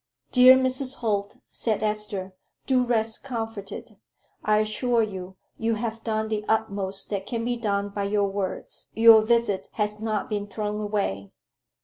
"Dear Mrs. Holt," said Esther, "do rest comforted. I assure you, you have done the utmost that can be done by your words. Your visit has not been thrown away.